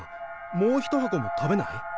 もう一箱も食べない？